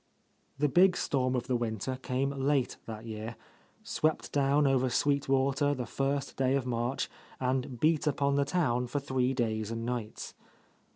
The big storm of the winter came late that year; swept down over Sweet Water the first day of March and beat upon the town for three days and nights.